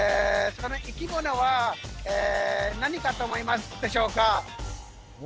その生き物は何かと思いますでしょうか？